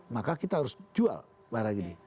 maka kita harus jual barang ini